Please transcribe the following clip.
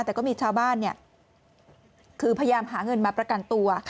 แต่ก็มีชาวบ้านคือพยายามหาเงินมาประกันตัว